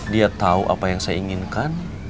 dia tahu apa yang saya inginkan